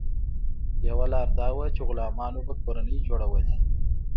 یوه لار دا وه چې غلامانو به کورنۍ جوړولې.